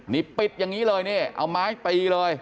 นี่ปิดอย่างนี้เลยนี่เอาไม้ตีเลย